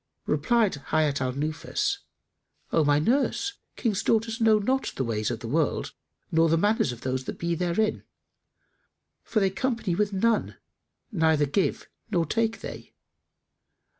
Replied Hayat al Nufus, "O my nurse, King's daughters know not the ways of the world nor the manners of those that be therein, for that they company with none, neither give they nor take they.